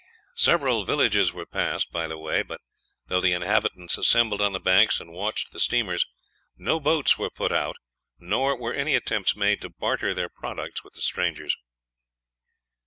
Several villages were passed by the way, but though the inhabitants assembled on the banks and watched the steamer, no boats were put out, nor were any attempts made to barter their products with the strangers.